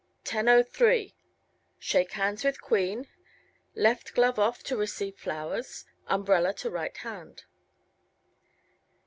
10:03 Shake hands with Queen. Left glove off to receive flowers. Umbrella to right hand.